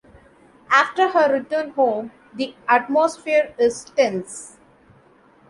After her return home, the atmosphere is tense.